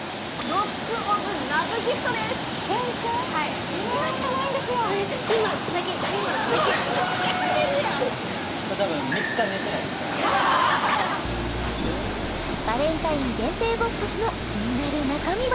はいバレンタイン限定ボックスの気になる中身は？